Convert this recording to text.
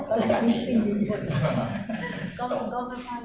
ตอนนี้อาจจะดูให้ดูสงสัยก็ค่อนข้างที่สามได้